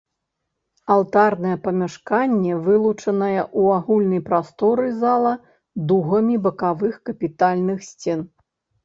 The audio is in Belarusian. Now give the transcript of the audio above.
Алтарнае памяшканне вылучанае ў агульнай прасторы зала дугамі бакавых капітальных сцен.